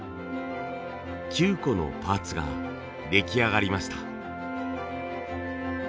９個のパーツが出来上がりました。